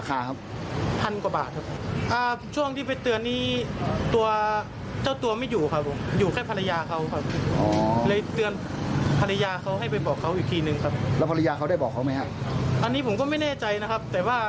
กระสอบประมาณเมื่อไหร่ครับประมาณ๒๐โลครับ